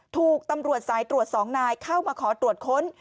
ถูกตำรวจสายตรวจ๒นายเข้ามาขอตรวจค้น